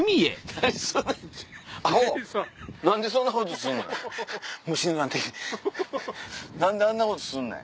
何であんなことすんねん？